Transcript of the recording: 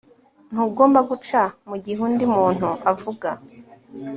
Ntugomba guca mugihe undi muntu avuga